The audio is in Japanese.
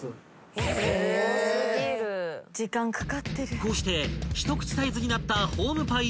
［こうして一口サイズになったホームパイ］